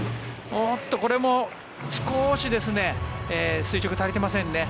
これも少し垂直が足りていませんね。